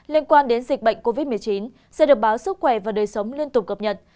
liên quan đến dịch bệnh covid một mươi chín sẽ được báo sức khỏe và đời sống liên tục cập nhật